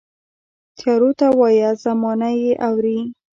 تیارو ته وایه، زمانه یې اورې